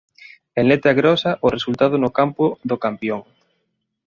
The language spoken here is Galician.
En letra grosa o resultado no campo do campión.